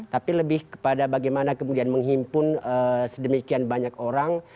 tapi lebih kepada bagaimana kemudian menghimpun sedemikian banyak orang